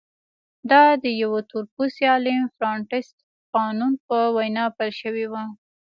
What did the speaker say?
دا د یوه تور پوستي عالم فرانټس فانون په وینا پیل شوې وه.